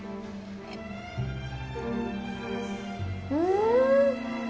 うん。